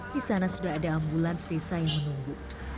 di sana sudah ada ambulans desa yang menunggu